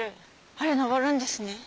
あれ上るんですね？